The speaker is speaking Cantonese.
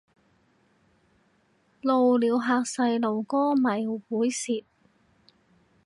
露鳥嚇細路哥咪猥褻